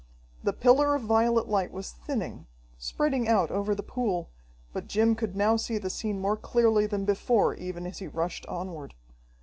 The pillar of violet light was thinning, spreading out over the pool, but Jim could now see the scene more clearly than before, even as he rushed onward.